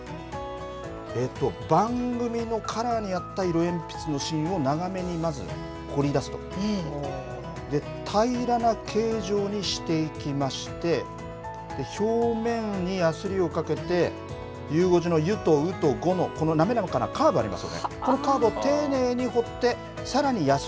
番組のカラーに合った色鉛筆の芯を長めに、まず彫り出すと平らな形状にしていきまして表面にやすりをかけてゆう５時のゆと、うと、５と時と、この滑らかなカーブあります。